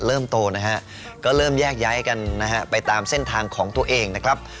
โตนะฮะก็เริ่มแยกย้ายกันนะฮะไปตามเส้นทางของตัวเองนะครับ